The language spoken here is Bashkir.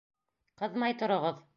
Ҡыҙмай тороғоҙ!